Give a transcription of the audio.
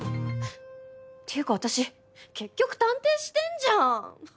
っていうか私結局探偵してんじゃん！